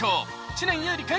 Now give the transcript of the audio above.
知念侑李君